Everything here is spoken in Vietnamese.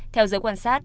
theo giới quan sát